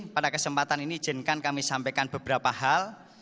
pada kesempatan ini izinkan kami sampaikan beberapa hal